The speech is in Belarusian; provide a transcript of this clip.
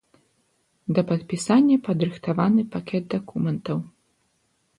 Да падпісання падрыхтаваны пакет дакументаў.